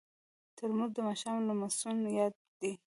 ترموز د ماښام لمسون یاد دی.